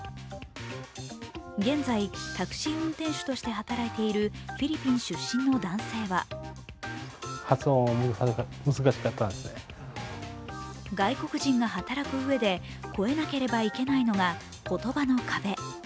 現在、タクシー運転手として働いているフィリピン出身の男性は外国人が働くうえで超えなければいけないのは言葉の壁。